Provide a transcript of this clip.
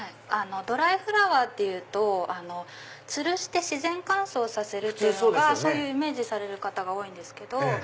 ドライフラワーっていうとつるして自然乾燥させるっていうイメージされる方が多い。